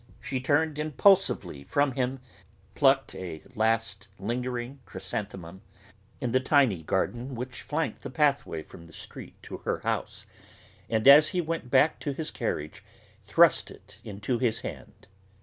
she turned impulsively from him, plucked a last lingering chrysanthemum in the tiny garden which flanked the pathway from the street to her house, and as he went back to his carriage thrust it into his hand.